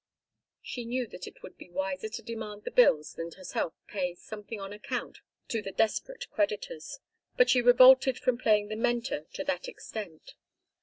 She knew that it would be wiser to demand the bills and herself pay something on account to the desperate creditors, but she revolted from playing the mentor to that extent.